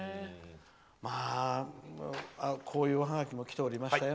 こういうおハガキも来てましたよ。